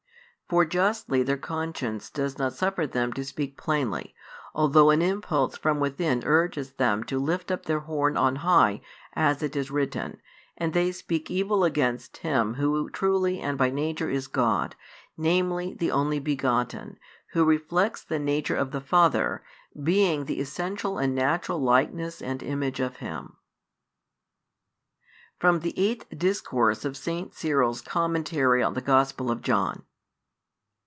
For justly their conscience does not suffer them [to speak plainly], although an impulse from within urges them to lift up their horn on high, as it is written, and they speak evil against Him Who truly and by Nature is God, namely the Only Begotten, Who reflects the Nature of the Father, being the essential and natural Likeness and Image of Him. FROM THE EIGHTH DISCOURSE OF S. CYRIL'S COMMENTARY ON THE GOSPEL OF JOHN.